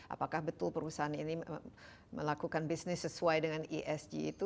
apakah betul perusahaan ini melakukan bisnis sesuai dengan esg itu